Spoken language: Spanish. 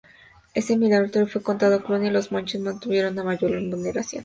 Este milagro fue contado en Cluny, y los monjes mantuvieron a Mayolo en veneración.